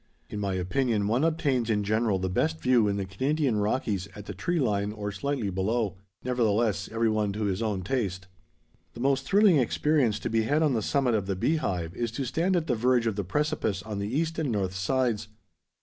In my opinion one obtains in general the best view in the Canadian Rockies at the tree line or slightly below. Nevertheless every one to his own taste. The most thrilling experience to be had on the summit of the Beehive is to stand at the verge of the precipice on the east and north sides.